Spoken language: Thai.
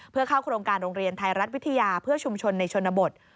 เพื่อเข้าโครงการโรงเรียนไทยรัฐวิทยาเพื่อชุมชนในชนบท